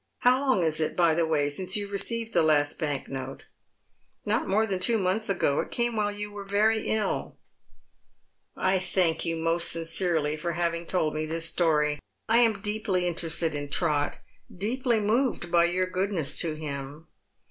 How long is it, by the way, since you received the last bank note ?"" Not more than two months ago. It came while you were very ill." " I thank you most sincerely for having told me this story. I am deeply interested in Trot, deeply moved by your goodness to him.